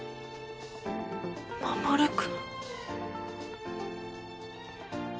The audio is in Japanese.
守君。